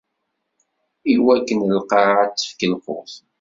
Iwakken lqaɛa ad d-tefk lqut.